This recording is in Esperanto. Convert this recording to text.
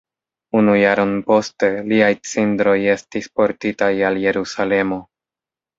Unu jaron poste liaj cindroj estis portitaj al Jerusalemo.